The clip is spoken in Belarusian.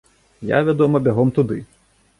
Я, вядома, бягом туды.